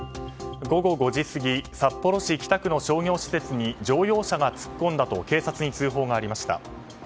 午後５時過ぎ札幌市北区の商業施設に乗用車が突っ込んだと警察に通報がありました。